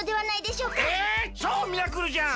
ちょうミラクルじゃん！